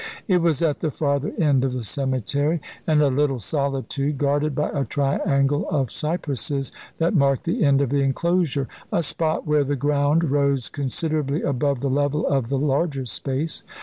It was at the farther end of the cemetery, in a little solitude guarded by a triangle of cypresses that marked the end of the enclosure, a spot where the ground rose considerably above the level of the larger space.